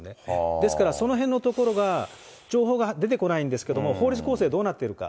ですから、そのへんのところが情報が出てこないんですけれども、法律構成はどうなっているのか。